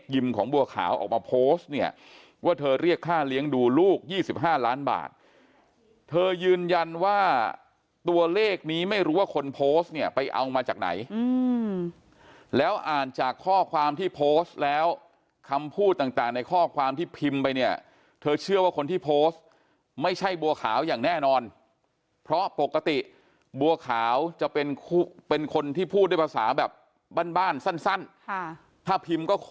ยิ่มของบัวขาวออกมาโพสต์เนี้ยว่าเธอเรียกค่าเลี้ยงดูลูกยี่สิบห้าล้านบาทเธอยืนยันว่าตัวเลขนี้ไม่รู้ว่าคนโพสต์เนี้ยไปเอามาจากไหนอืมแล้วอ่านจากข้อความที่โพสต์แล้วคำพูดต่างต่างในข้อความที่พิมพ์ไปเนี้ยเธอเชื่อว่าคนที่โพสต์ไม่ใช่บัวขาวอย่างแน่นอนเพราะปกติบัวขาวจะเป็นคู่เป็